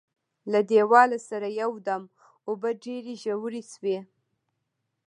له دیواله سره یو دم اوبه ډېرې ژورې شوې.